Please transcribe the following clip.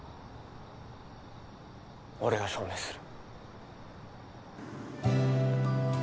「俺が証明する」